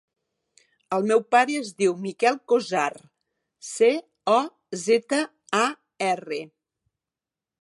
El meu pare es diu Miquel Cozar: ce, o, zeta, a, erra.